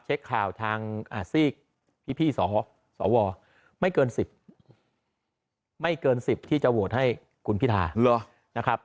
เช็คข่าวทางซีกพี่สวไม่เกิน๑๐ที่จะโหวตให้คุณพิธา